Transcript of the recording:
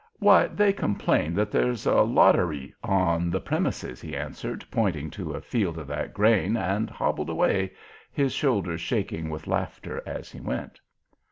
"Why, they complain that there's a lot o' rye on the premises," he answered, pointing to a field of that grain—and hobbled away, his shoulders shaking with laughter, as he went.